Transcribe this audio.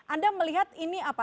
anda melihat ini apa